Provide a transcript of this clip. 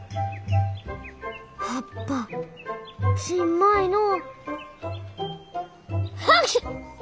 葉っぱちんまいのう。